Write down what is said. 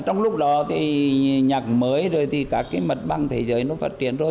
trong lúc đó thì nhạc mới rồi thì cả cái mật băng thế giới nó phát triển rồi